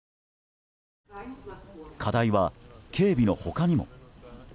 課題は警備の他にも。